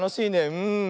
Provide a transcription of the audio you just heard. うん。